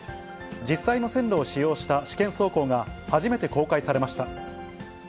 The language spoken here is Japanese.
実際の線路を使用した試験走行が、初めて公開されました。